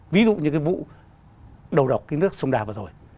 ví dụ như cái vụ đầu độc cái nước sông đà vừa rồi